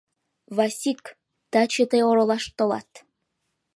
Васик, таче тый оролаш толат.